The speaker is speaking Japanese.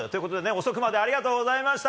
遅くまでありがとうございました。